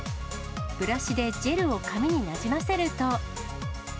ブラシでジェルを髪になじませると。